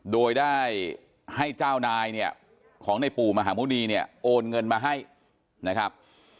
โดยได้ให้เจ้านายเนี่ยของในปู่มหาหมุณีเนี่ยโอนเงินมาให้นะครับ